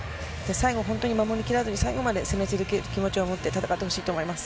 最後、本当に守り切らずに、最後まで攻め続ける気持ちを持って戦ってほしいと思います。